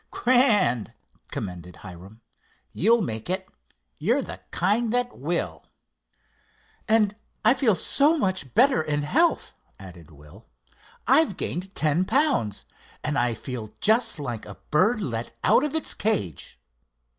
"Grand!" commended Hiram. "You'll make it. You're the kind that will." "And I feel so much better in health," added Will. "I've gained ten pounds, and I feel just like a bird let out of its cage.